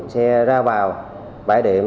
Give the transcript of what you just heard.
xe ra vào bãi điểm